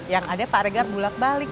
yang ada pak regar bulat balik